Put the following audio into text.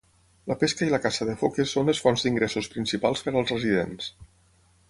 La pesca i la caça de foques són les fonts d'ingressos principals per als residents.